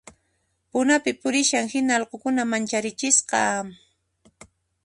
Punapi purisharan hina allqukuna mancharichisqa